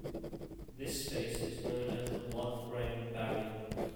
This space is known as the blood-brain barrier.